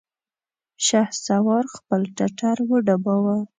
شهسوار خپل ټټر وډباوه!